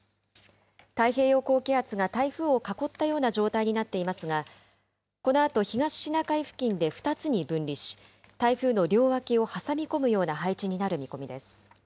太平洋高気圧が台風を囲ったような状態になっていますが、このあと東シナ海付近で２つに分離し、台風の両脇を挟み込むような配置になる見込みです。